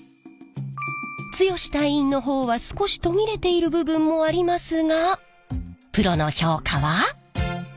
剛隊員の方は少し途切れている部分もありますがプロの評価は？